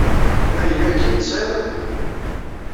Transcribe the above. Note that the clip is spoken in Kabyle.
Ma yella akken, tesɛiḍ lḥeqq.